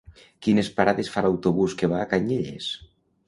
Quines parades fa l'autobús que va a Canyelles?